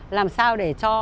làm sao để cho